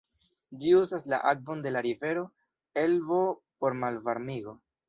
Ĝi uzas la akvon de la rivero Elbo por malvarmigo.